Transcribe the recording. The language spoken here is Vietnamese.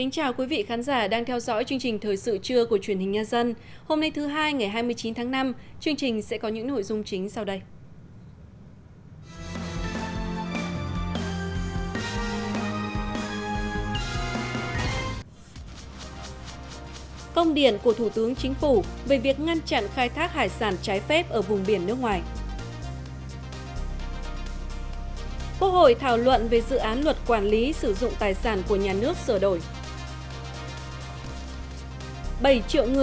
chào mừng quý vị đến với bộ phim thời sự trưa của truyền hình nhân dân